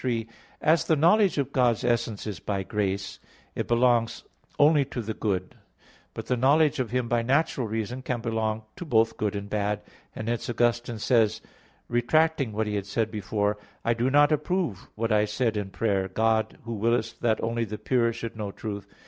3: As the knowledge of God's essence is by grace, it belongs only to the good; but the knowledge of Him by natural reason can belong to both good and bad; and hence Augustine says (Retract. i), retracting what he had said before: "I do not approve what I said in prayer, 'God who willest that only the pure should know truth.'